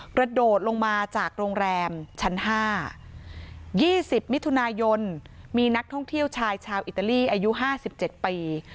กระโดดลงมาจากโรงแรมชั้น๕๒๐มิถุนายนมีนักท่องเที่ยวชายชาวอิตาลีอายุ๕๗ปี